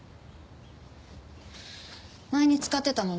前に使ってたものよ。